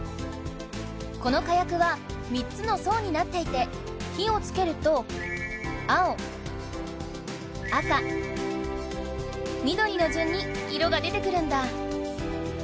この火薬は３つの層になっていて火をつけると。の順に色が出てくるんだ。